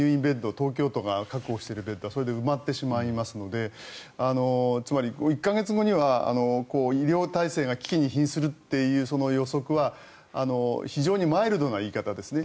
東京都が確保しているベッドはそれで埋まってしまいますのでつまり１か月後には医療体制が危機に瀕するというその予測は非常にマイルドな言い方ですね。